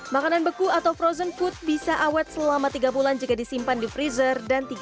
makanan beku atau frozen food bisa awet selama tiga bulan jika disimpan di freezer